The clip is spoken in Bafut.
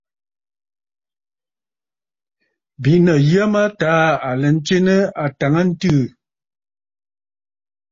Bìꞌinə̀ yə mə taa aɨ lɛ ntswe nɨ àtàŋəntɨɨ aà.